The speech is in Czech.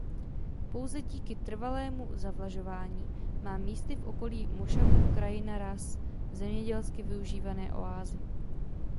Pouze díky trvalému zavlažování má místy v okolí mošavu krajina ráz zemědělsky využívané oázy.